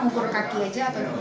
ngukur kaki aja atau